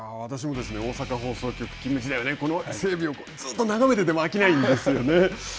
私も大阪放送局勤務時代はこの整備をずっと眺めてても飽きないんですよね。